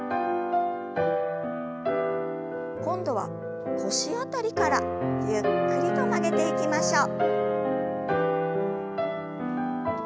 今度は腰辺りからゆっくりと曲げていきましょう。